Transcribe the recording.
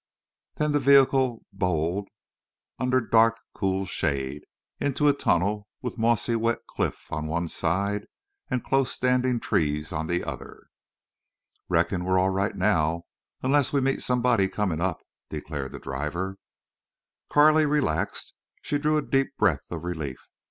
Then the vehicle bowled under dark cool shade, into a tunnel with mossy wet cliff on one side, and close standing trees on the other. "Reckon we're all right now, onless we meet somebody comin' up," declared the driver. Carley relaxed. She drew a deep breath of relief.